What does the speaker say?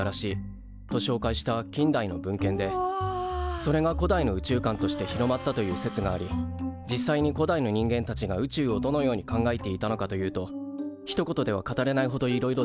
それが古代の宇宙観として広まったという説があり実際に古代の人間たちが宇宙をどのように考えていたのかというとひと言では語れないほどいろいろです。